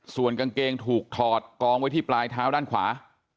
ส่วนกางเกงถูกถอดกองไว้ที่ปลายเท้าด้านขวา